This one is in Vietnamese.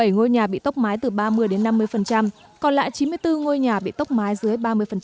một mươi bảy ngôi nhà bị tốc mái từ ba mươi năm mươi còn lại chín mươi bốn ngôi nhà bị tốc mái dưới ba mươi